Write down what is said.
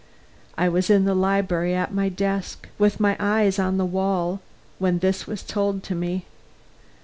I was in the library, at my desk, with my eyes on the wall, when this was told me.